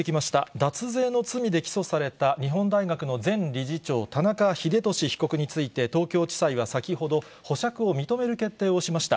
脱税の罪で起訴された日本大学の前理事長、田中英壽被告について、東京地裁は先ほど、保釈を認める決定をしました。